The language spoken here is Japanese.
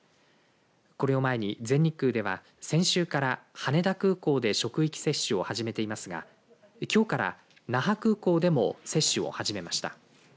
これを前に全日空では先週から羽田空港で職域接種を始めていますがきょうから那覇空港でも接種を始めました。